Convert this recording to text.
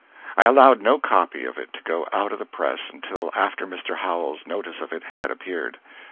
I allowed no copy of it to go out to the press until after Mr. Howells's notice of it had appeared.